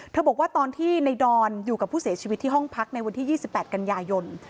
บอกว่าตอนที่ในดอนอยู่กับผู้เสียชีวิตที่ห้องพักในวันที่๒๘กันยายน